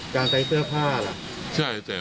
การใส่เสื้อผ้าหรือ